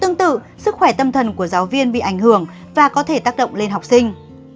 tương tự sức khỏe tâm thần của giáo viên bị ảnh hưởng và có thể tác động lên học sinh